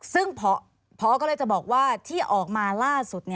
ซึ่งพอก็เลยจะบอกว่าที่ออกมาล่าสุด